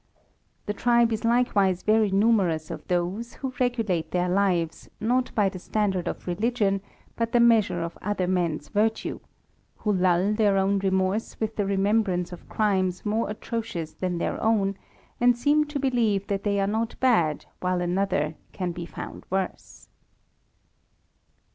The tribe is likewise very numerous of those who regulate their lives, not by the standard of religion, but the measure pf^her men's virtue ; who lull their own remorse with the remembrance of crimes more atrocious than their own, and seem to believe that they are not bad while another can be found worse.